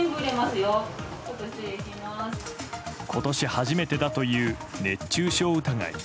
今年初めてだという熱中症疑い。